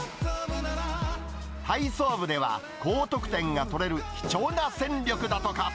体操部では、高得点が取れる貴重な戦力だとか。